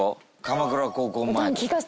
鎌倉高校前とか？